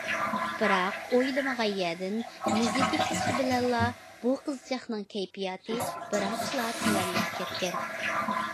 بىراق ئويلىمىغان يەردىن مۇزىكا چىقىشى بىلەنلا، بۇ قىزچاقنىڭ كەيپىياتى بىراقلا تۆۋەنلەپ كەتكەن.